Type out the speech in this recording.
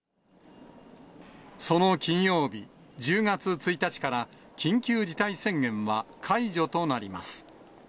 その金曜日、１０月１日から、緊急事態宣言は解除となります。